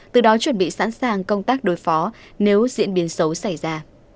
từ đó chuẩn bị sẵn sàng công tác đối phó nếu diễn biến xấu xảy ra